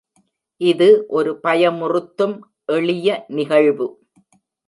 இது ஒரு பயமுறுத்தும் எளிய நிகழ்வு.